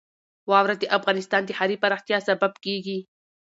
واوره د افغانستان د ښاري پراختیا سبب کېږي.